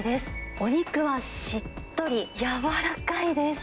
お肉はしっとり、柔らかいです。